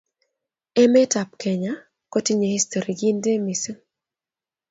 emeetab kenya kotinye historii kintee misiing